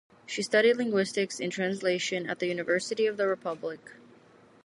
She studied linguistics and translation at the University of the Republic.